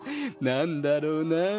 なんだろうなあ？